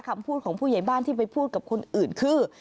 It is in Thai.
คำพูดของผู้ใหญ่บ้านที่ไปพูดกับคนอื่นคือ